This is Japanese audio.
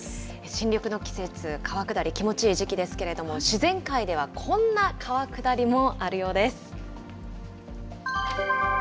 新緑の季節、川下り、気持ちいい時期ですけれども、自然界ではこんな川下りもあるようです。